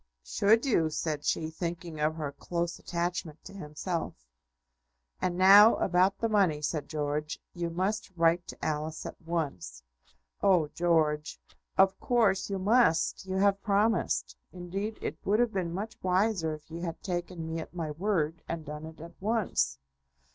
"Should you?" said she, thinking of her close attachment to himself. "And now, about the money," said George. "You must write to Alice at once." "Oh, George!" "Of course you must; you have promised. Indeed, it would have been much wiser if you had taken me at my word, and done it at once."